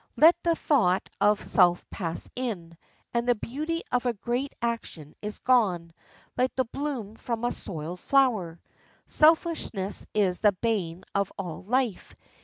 Let the thought of self pass in, and the beauty of a great action is gone, like the bloom from a soiled flower. Selfishness is the bane of all life.